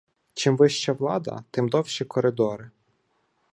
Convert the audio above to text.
Чим вища влада, тим довші коридори.